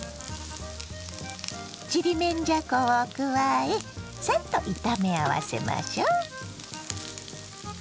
ちりめんじゃこを加えさっと炒め合わせましょ。